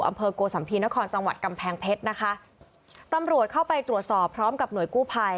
อำเภอโกสัมภีนครจังหวัดกำแพงเพชรนะคะตำรวจเข้าไปตรวจสอบพร้อมกับหน่วยกู้ภัย